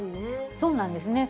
そうなんですね。